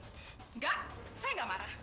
enggak saya enggak marah